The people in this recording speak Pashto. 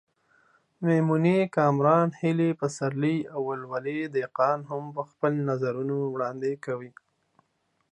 میمونې کامران، هیلې پسرلی او ولولې دهقان هم خپل نظرونه وړاندې کړل.